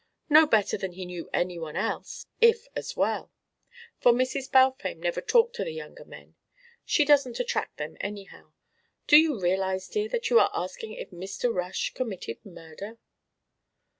"No better than he knew any one else, if as well, for Mrs. Balfame never talked to the younger men. She doesn't attract them, anyhow. Do you realise, dear, that you are asking if Mr. Rush committed murder?"